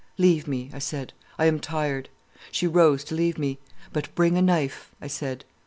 "'Leave me,' I said, 'I am tired.' She rose to leave me. "'But bring a knife,' I said.